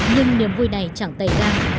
nhưng niềm vui này chẳng tệ ra